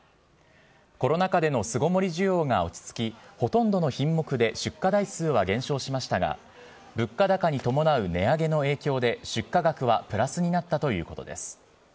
コロナ禍での巣ごもり需要が落ち着き、ほとんどの品目で出荷台数は減少しましたが、物価高に伴う値上げの影響で、出荷額はプラスになったということです。